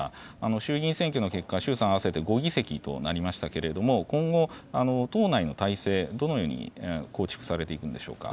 衆議院選挙の結果、衆参合わせて５議席となりましたけれども、今後、党内の体制、どのように構築されていくんでしょうか。